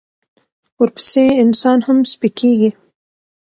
ورپسې انسان هم سپکېږي.